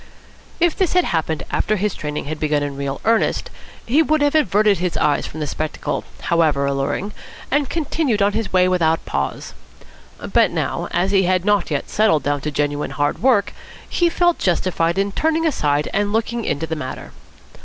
If this had happened after his training had begun in real earnest, he would have averted his eyes from the spectacle, however alluring, and continued on his way without a pause. But now, as he had not yet settled down to genuine hard work, he felt justified in turning aside and looking into the matter.